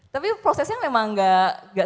tapi prosesnya memang gak